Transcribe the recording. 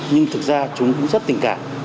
nhưng thực ra chúng cũng rất tình cảm